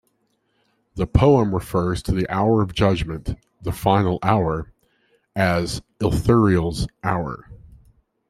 The poem refers to the hour of judgement, the "final hour", as "Ithuriel's Hour".